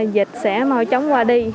dịch sẽ mau chóng qua đi